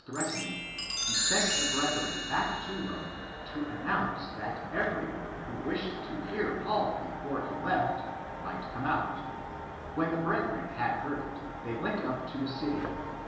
62 THE APOCRYPHAL ACTS sent the brethren back to Rome (to announce) that everyone who wished to hear Paul before he left might come out. When the brethren had heard it, they went up to the city.